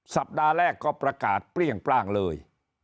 สัปดาห์แรกก็ประกาศเปรี้ยงปร่างเลย